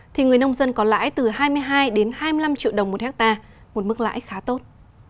thì người nông dân có lãi từ hai mươi hai đến hai mươi năm triệu đồng một hectare một mức lãi khá tốt